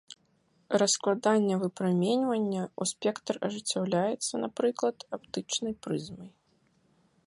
Раскладанне выпраменьвання ў спектр ажыццяўляецца, напрыклад, аптычнай прызмай.